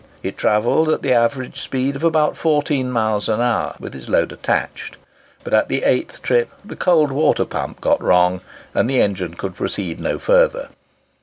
It travelled at the average speed of about 14 miles an hour, with its load attached; but at the eighth trip the cold water pump got wrong, and the engine could proceed no further.